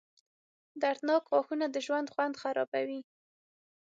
• دردناک غاښونه د ژوند خوند خرابوي.